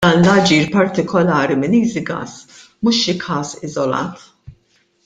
Dan l-aġir partikolari minn Easygas mhux xi każ iżolat.